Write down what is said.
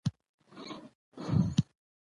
که پښتو اصلي کلمې له لاسه ورکړي